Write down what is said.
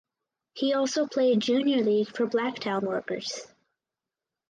He also played junior league for Blacktown Workers.